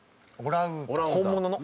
本物の。